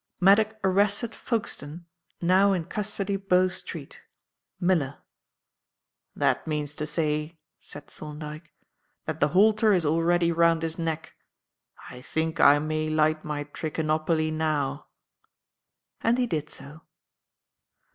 "Maddock arrested Folkestone now in custody Bow Street. Miller." "That means to say," said Thorndyke, "that the halter is already around his neck. I think I may light my Trichinopoly now." And he did so.